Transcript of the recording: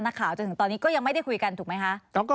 นักข่าวจนตอนนี้ก็ยังไม่ได้คุยกันทุกไหมคะ